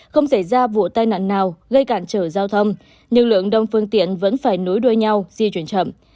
không xảy ra vụ tai nạn nào gây cản trở giao thông nhưng lượng đông phương tiện vẫn phải nối đuôi nhau di chuyển chậm